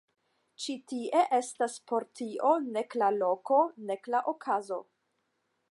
Ĉi tie estas por tio nek la loko, nek la okazo.